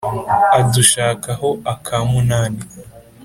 adushaka ho akamunani